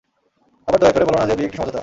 আবার দয়া করে বলো না যে, বিয়ে একটি সমঝোতা।